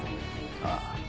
ああ。